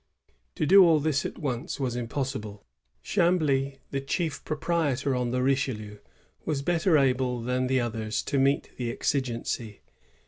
To do all tliis at once was impossible. Chambly, the cliiof proprietor on the lliclielieu, was better able than tl)() otliers to meet the exigency.